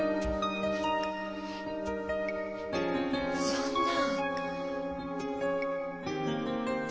そんな。